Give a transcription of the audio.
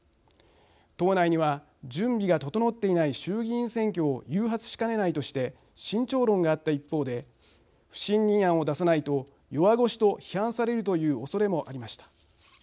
党内には準備が整っていない衆議院選挙を誘発しかねないとして慎重論があった一方で不信任案を出さないと弱腰と批判されるというおそれもありました。